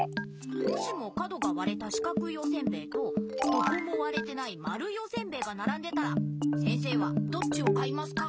もしも角がわれたしかくいおせんべいとどこもわれてないまるいおせんべいがならんでたら先生はどっちを買いますか？